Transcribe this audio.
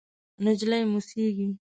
نجلۍ موسېږي…